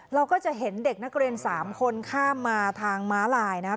เราก็จะเห็นเด็กนักเรียน๓คนข้ามมาทางม้าลายนะครับ